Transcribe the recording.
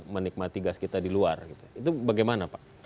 menikmati gas kita di luar gitu itu bagaimana pak